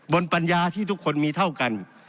ปัญญาที่ทุกคนมีเท่ากัน